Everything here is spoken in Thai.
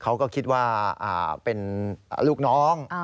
เขาก็คิดว่าเป็นลูกน้อง